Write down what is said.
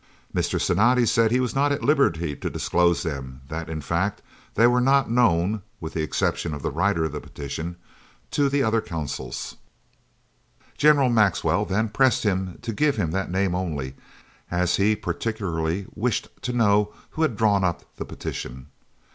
Mr. Cinatti said he was not at liberty to disclose them that, in fact, they were not known (with the exception of the writer of the petition) to the other Consuls. General Maxwell then pressed him to give him that name only, as he particularly wished to know who had drawn up the petition.